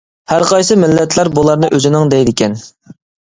ھەر قايسى مىللەتلەر بۇلارنى ئۆزىنىڭ دەيدىكەن.